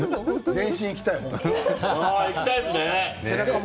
全身、いきたい。